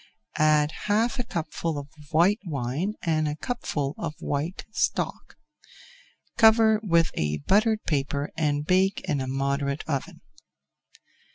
Add half a cupful of white wine and a cupful of white stock. Cover with a buttered paper and bake in a moderate oven.